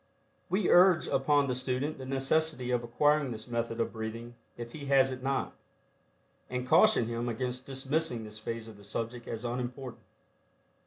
We urge upon the student the necessity of acquiring this method of breathing if he has it not, and caution him against dismissing this phase of the subject as unimportant.